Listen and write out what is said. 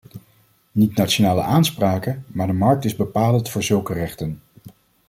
Niet nationale aanspraken, maar de markt is bepalend voor zulke rechten.